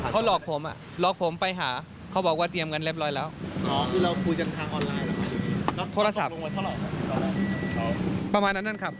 อืมก็ขึ้นเหมือนกันนะครับ